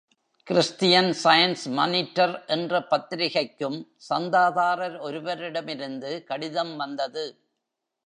Christian Science Monitor என்ற பத்திரிகைக்கும் சந்தாதாரர் ஒருவரிடமிருந்து கடிதம் வந்தது.